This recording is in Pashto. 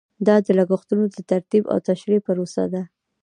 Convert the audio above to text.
دا د لګښتونو د ترتیب او تشریح پروسه ده.